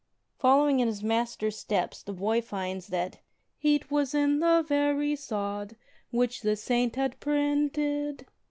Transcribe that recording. '* Following in his master's steps, the boy finds that Heat was in the very sod which the Saint had printed.